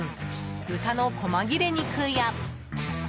豚の小間切れ肉や。